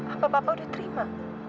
apa papa udah terima